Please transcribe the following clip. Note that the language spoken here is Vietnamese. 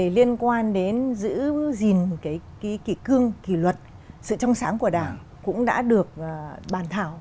vấn đề liên quan đến giữ gìn cái kỳ cương kỳ luật sự trong sáng của đảng cũng đã được bàn thảo